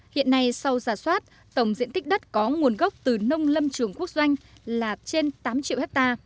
hiện nay sau giả soát tổng diện tích đất có nguồn gốc từ nông lâm trường quốc doanh là trên tám triệu hectare